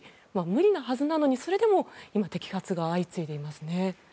無理なはずなのにそれでも今摘発が相次いでいますね。